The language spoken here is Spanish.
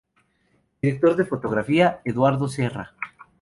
Director de fotografía: Eduardo Serra.